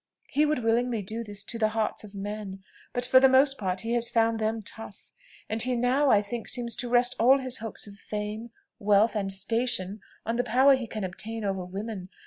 He would willingly do this in the hearts of men, but for the most part he has found them tough; and he now, I think, seems to rest all his hopes of fame, wealth, and station on the power he can obtain over women.